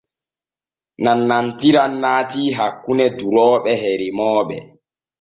Nanantiran naatii hakkune durooɓe et remooɓe.